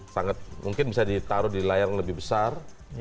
sangat mungkin bisa ditaruh di layar lebih besar